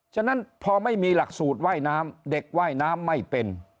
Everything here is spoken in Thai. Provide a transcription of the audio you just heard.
ฉะนั้นพอไม่มีหลักสูตรว่ายน้ำเด็กว่ายน้ำไม่เป็น